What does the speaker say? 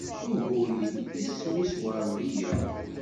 Ugur-iw isem-is Werdiya.